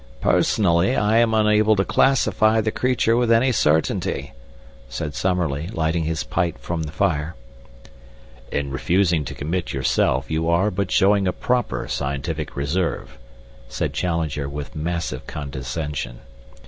"Personally, I am unable to classify the creature with any certainty," said Summerlee, lighting his pipe from the fire. "In refusing to commit yourself you are but showing a proper scientific reserve," said Challenger, with massive condescension.